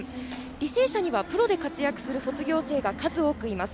履正社にはプロで活躍する卒業生が数多くいます。